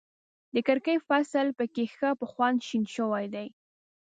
د کرکې فصل په کې ښه په خوند شین شوی دی.